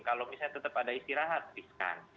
kalau misalnya tetap ada istirahat riskan